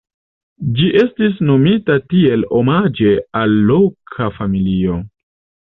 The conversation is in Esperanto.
Ĝi estis nomita tiel omaĝe al loka familio.